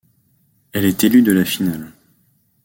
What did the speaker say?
Elle est élue de la finale.